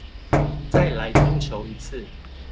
再來徵求一次